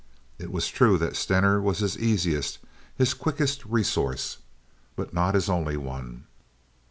It was true that Stener was his easiest, his quickest resource, but not his only one.